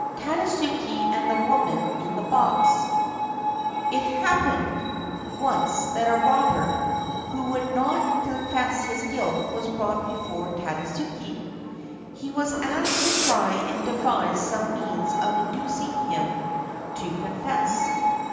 TADASUKE AND THE WOMAN IN THE BOX It happened once that a robber who would not con fess his guilt was brought before Tadasuke. He was asked to try and devise some means of inducing him to confess.